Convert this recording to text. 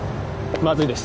まずいです